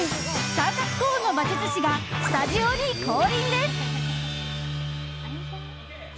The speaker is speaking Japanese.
三角コーンの魔術師がスタジオに降臨です！